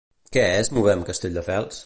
Què és Movem Castelldefels?